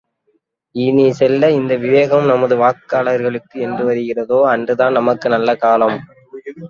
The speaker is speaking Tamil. இனிய செல்வ, இந்த விவேகம் நமது வாக்காளர்களுக்கு என்று வருகிறதோ, அன்றுதான் நமக்கு நல்ல காலம்!